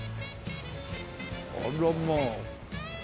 あらまあ。